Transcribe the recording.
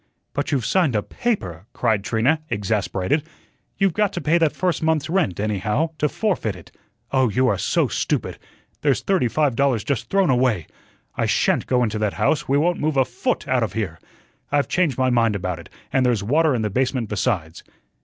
"But you've signed a PAPER," cried Trina, exasperated. "You've got to pay that first month's rent, anyhow to forfeit it. Oh, you are so stupid! There's thirty five dollars just thrown away. I SHAN'T go into that house; we won't move a FOOT out of here. I've changed my mind about it, and there's water in the basement besides."